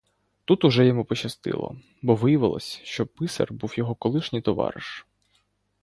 Тут уже йому пощастило, бо виявилось, що писар був його колишній товариш.